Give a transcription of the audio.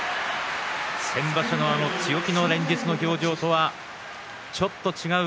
先場所のあの強気の連日の表情とはちょっと違う